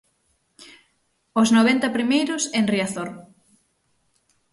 Os noventa primeiros en Riazor.